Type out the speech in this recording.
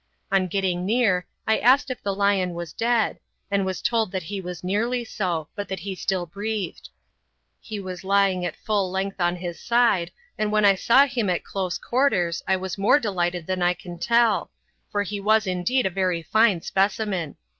On getting near I asked if the lion was dead, and was told that he was nearly so, but that he still breathed. He was lying at full length on his side, and when I saw him at close quarters I was more delighted than I can tell, for he was indeed a very fine specimen.